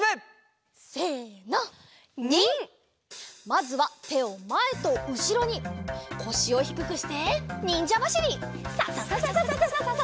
まずはてをまえとうしろにこしをひくくしてにんじゃばしり。ササササササ。